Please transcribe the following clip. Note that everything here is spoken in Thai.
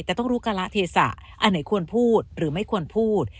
แต่ต้องรู้การะเทศะอันไหนควรพูดหรือไม่ควรพูด